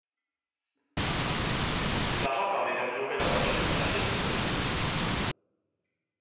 Cet argent permet d'améliorer la voiture et d'en acheter de nouvelles.